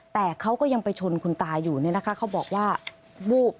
แต่เขาก็ยังไปชนคุณตาอยู่เนี่ยนะคะเขาบอกว่าวูบ